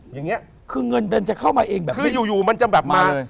อย่างเงี้ยคือเงินมันจะเข้ามาเองแบบนี้คืออยู่อยู่มันจะแบบมามาเลย